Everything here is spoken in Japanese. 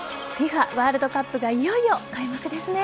ワールドカップがいよいよ開幕ですね。